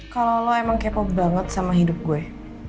kalau lo emang kepo banget sama hidup gue